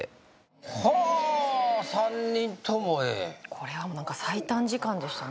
これはなんか最短時間でしたね